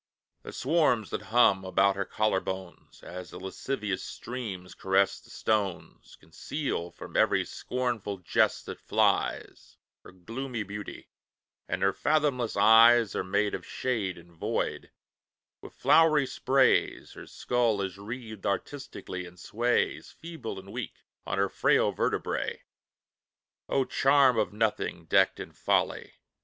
The swarms that hum about her collar bones As the lascivious streams caress the stones, Conceal from every scornful jest that flies, Her gloomy beauty; and her fathomless eyes Are made of shade and void; with flowery sprays Her skull is wreathed artistically, and sways, Feeble and weak, on her frail vertebræ. O charm of nothing decked in folly!